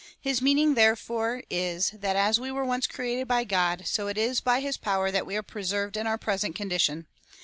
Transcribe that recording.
His meaning, therefore, is, that as we were once created by God, so it is by his power that we are preserved in our present condition.